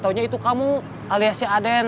pokoknya itu kamu alias si aden